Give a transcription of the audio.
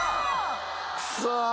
クソ。